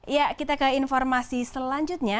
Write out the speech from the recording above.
ya kita ke informasi selanjutnya